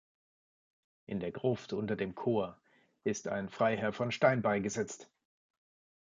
In der Gruft unter dem Chor ist ein Freiherr von Stein beigesetzt.